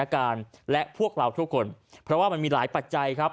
การและพวกเราทุกคนเพราะว่ามันมีหลายปัจจัยครับ